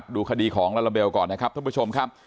ดูคดีของลาลาเบลก่อนนะครับท่านผู้ชมครับ